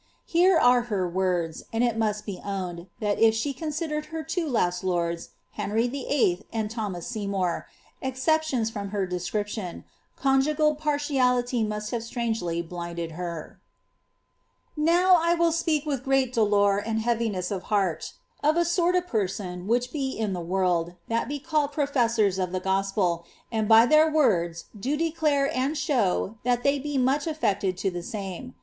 Here are her words, and it must be owned, that if she considere<l her two last lords, Henry VHI. and Thomas Seymour, ex ceptions from her description, conjugal partiality must have strangely blinded her :—•* Now I will speak with great dolour and heaviness of heart of a sort of peo ple which Ix* in the world, that be called professors of the gospel, and by tlieir words do declare and show that they be much atft^ctod to tlie same.